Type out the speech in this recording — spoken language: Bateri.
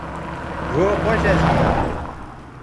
ڙھؤ خوش اسی